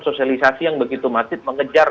sosialisasi yang begitu masif mengejar